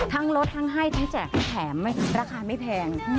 ลดทั้งให้ทั้งแจกทั้งแถมราคาไม่แพง